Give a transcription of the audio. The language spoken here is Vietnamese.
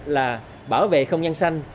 là bảo vệ không gian xanh